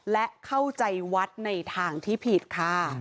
และเข้าใจวัดในทางที่ผิดค่ะ